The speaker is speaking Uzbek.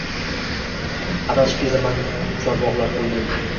Adashib kezaman chorbog’lar qo’ynin